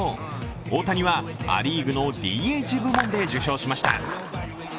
大谷はア・リーグのＤＨ部門で受賞しました。